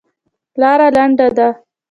لاره لنډه ده.